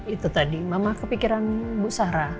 itu tadi mama kepikiran bu sarah